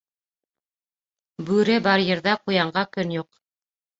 Бүре бар ерҙә ҡуянға көн юҡ.